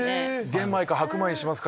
玄米か白米にしますか？